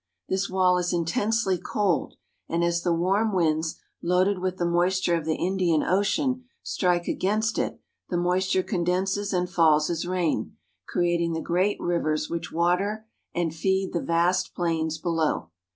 This wall is intensely cold, and as the warm winds, loaded with the moisture of the Indian Ocean, strike against it, the moisture condenses and falls as rain, creating the great rivers which water and feed the vast plains below.